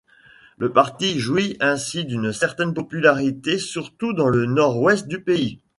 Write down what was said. Le parti jouit ainsi d'une certaine popularité, surtout dans le nord-ouest du pays.